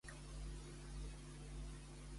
Li van concedir un premi honorífic de Reus?